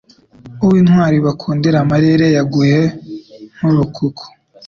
Uw'intwali bakundira amarere yaguye mu rukuko;